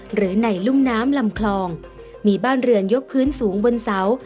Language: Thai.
หรือในรุ่มน้ำลำคลองมีบ้านเรือนยกพื้นสูงบนเสา